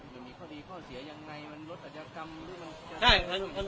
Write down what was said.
มันมีความดีความเสียอังไงได้กัดส่วนฟันสายกว้าง